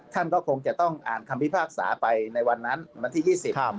ท่านก็คงจะต้องอ่านคำพิพากษาไปในวันนั้นวันที่ยี่สิบ